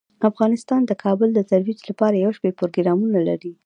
افغانستان د کابل د ترویج لپاره یو شمیر پروګرامونه لري.